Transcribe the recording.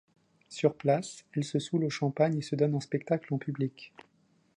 Sur place, elle se soûle au champagne et se donne en spectacle en public.